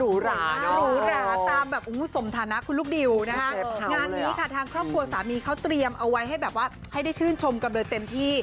หรูหราตามสมธนาคุณลูกดิวงานนี้ทางครอบครัวสามีเขาเตรียมเอาไว้ให้ได้ชื่นชมกันเลยเต็มที่